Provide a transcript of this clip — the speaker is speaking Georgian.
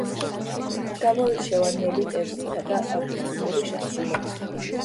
გამოირჩევა ნელი ტემპითა და აკუსტიკური შესრულებით.